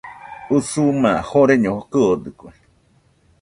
Usuma joreño kɨodɨkue.